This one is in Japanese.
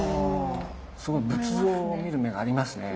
すごい仏像を見る目がありますね。